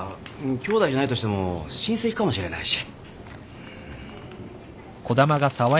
きょうだいじゃないとしても親戚かもしれないし。